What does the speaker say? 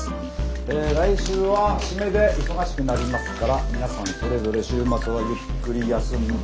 え来週は締めで忙しくなりますから皆さんそれぞれ週末はゆっくり休んで下さいと。